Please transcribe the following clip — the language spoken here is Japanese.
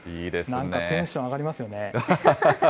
なんかテンション上がりますよね。